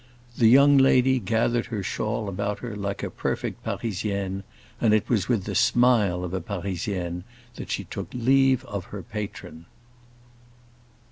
The young lady gathered her shawl about her like a perfect Parisienne, and it was with the smile of a Parisienne that she took leave of her patron.